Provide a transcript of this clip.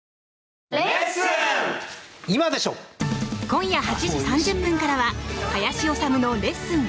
今夜８時３０分からは「林修のレッスン！